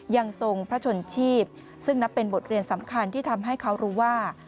ยังทรงพระชนชีพซึ่งนับเป็นบทเรียนสำคัญที่ทำให้เขารู้ว่า